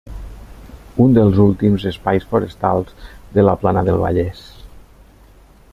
Un dels últims espais forestals de la plana del Vallès.